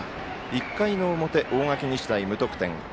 １回の表、大垣日大、無得点。